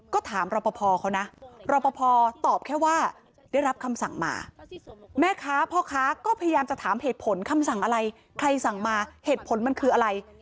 ก็ถามรอปภเขานะรอปภตอบแค่ว่าได้รับคำสั่งมาแม่ค้าพ่อค้าก็พยายามจะถามเหตุผลคำสั่งอะไรใครสั่งมาเหตุผลมันคืออะไร